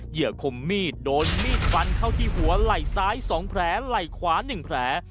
เหยืมมีดโดนมีดฟันเข้าที่หัวไหล่ซ้าย๒แผลไหล่ขวา๑แผล